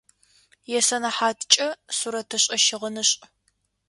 Исэнэхьаткӏэ сурэтышӏэ-щыгъынышӏ.